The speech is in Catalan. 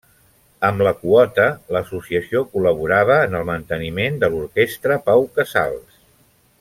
Amb la quota, l'Associació col·laborava en el manteniment de l'Orquestra Pau Casals.